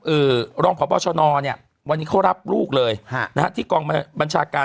อือรองพพชะนอนเนี่ยวันนี้เขารับลูกเลยฮะนะฮะที่กลางมาบัญชาการ